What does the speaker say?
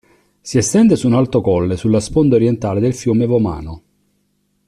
Si estende su un alto colle sulla sponda orientale del fiume Vomano.